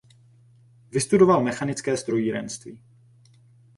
Vystudoval mechanické strojírenství.